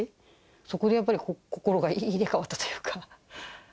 そこでやっぱり心が入れ替わったというか。